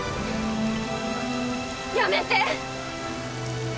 やめて！